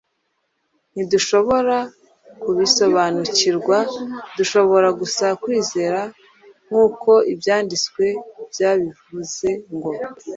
Ntidushobora kubisobanukirwa; dushobora gusa kwizera nk’uko Ibyanditswe byabivuze ngo,